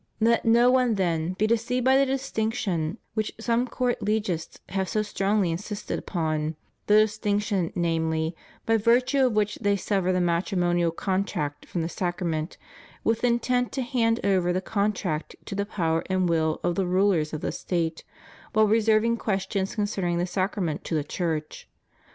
^ Let no one then be deceived by the distinction which some court legists have so strongly insisted upon — the dis tinction, namely, by virtue of which they sever the matri monial contract from the sacrament, with intent to hand over the contract to the power and will of the rulers of the State, while reserving questions concerning the sacra ment to the Church.